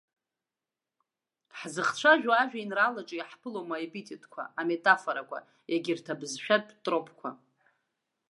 Ҳзыхцәажәо ажәеинраалаҿы иаҳԥылом аепитетқәа, аметафорақәа, егьырҭ абызшәатә тропқәа.